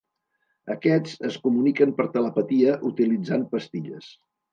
Aquests es comuniquen per telepatia utilitzant pastilles.